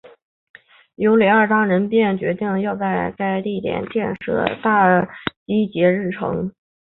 尤里二世当下便决定要在该地点建造大基捷日城。